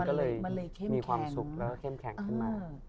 ก็เลยมีความสุขแล้วก็เข้มแข็งขึ้นมา